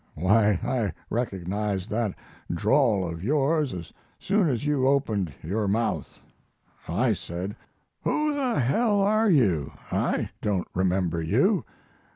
Why, I recognized that drawl of yours as soon as you opened your mouth.' "I said, 'Who the h l are you? I don't remember you.'